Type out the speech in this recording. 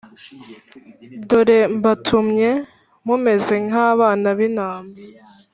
Dore mbatumye mumeze nk abana b intama